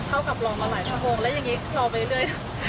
กับรอมาหลายชั่วโมงแล้วอย่างนี้รอไปเรื่อย